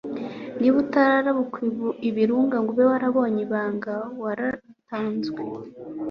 Niba utararabukwa ibirunga ngo ube warabonye ingagi waratanzwe.